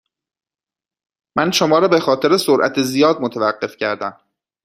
من شما را به خاطر سرعت زیاد متوقف کردم.